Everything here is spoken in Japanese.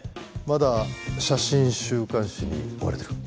まだ写真週刊誌に追われてる？